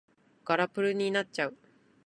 ガルプラになっちゃう